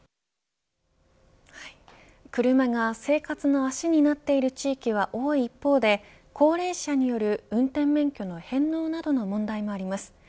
こうした必要性が車が生活の足になっている地域は多い一方で高齢者による運転免許の返納などの問題もあります。